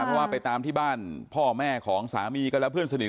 เพราะว่าไปตามที่บ้านพ่อแม่ของสามีก็แล้วเพื่อนสนิท